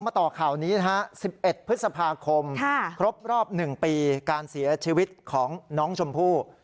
ต่อข่าวนี้นะฮะ๑๑พฤษภาคมครบรอบ๑ปีการเสียชีวิตของน้องชมพู่